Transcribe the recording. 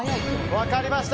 分かりました。